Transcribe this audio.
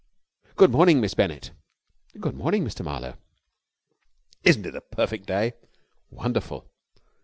"Good morning, Miss Bennett." "Good morning, Mr. Marlowe." "Isn't it a perfect day?" "Wonderful!"